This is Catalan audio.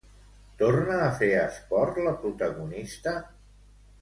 Torna a fer esport la protagonista?